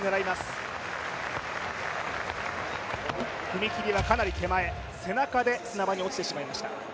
踏み切りはかなり手前、背中で砂場に落ちてしまいました。